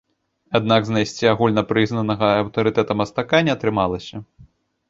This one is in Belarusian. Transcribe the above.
Аднак знайсці агульнапрызнанага аўтарытэта-мастака не атрымалася.